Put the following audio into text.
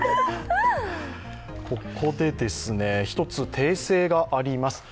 ここで１つ訂正があります。